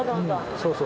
そうそう。